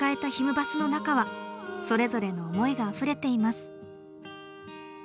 バスの中はそれぞれの思いがあふれています。